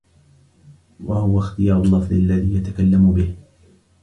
وَهُوَ اخْتِيَارُ اللَّفْظِ الَّذِي يَتَكَلَّمُ بِهِ